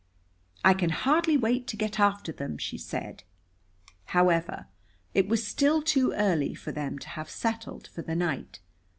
"I can hardly wait to get after them," she said. However, it was still too early for them to have settled for the night.